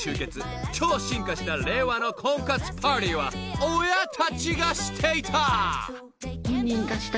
［超進化した令和の婚活パーティーは親たちがしていた！］